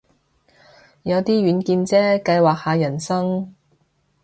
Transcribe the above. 有啲遠見啫，計劃下人生